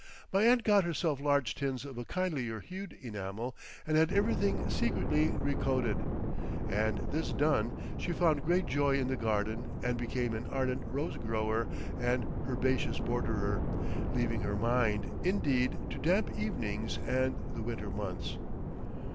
My aunt got herself large tins of a kindlier hued enamel and had everything secretly recoated, and this done, she found great joy in the garden and became an ardent rose grower and herbaceous borderer, leaving her Mind, indeed, to damp evenings and the winter months.